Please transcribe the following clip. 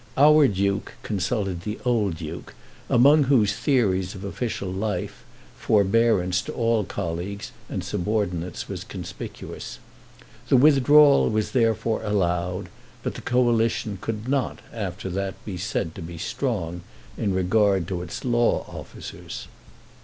Our Duke consulted the old Duke, among whose theories of official life forbearance to all colleagues and subordinates was conspicuous. The withdrawal was, therefore, allowed, but the Coalition could not after that be said to be strong in regard to its Law Officers.